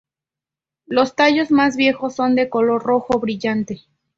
Los tallos más viejos son de color rojo brillante.